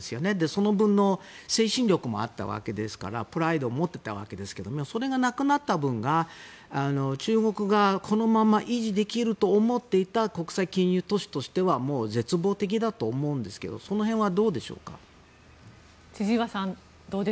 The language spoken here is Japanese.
その分の精神力もあったわけですからプライドを持っていたわけですけどもそれがなくなった分が中国がこのまま維持できると思っていた国際金融都市としてはもう絶望的だと思うんですがその辺はどうでしょう？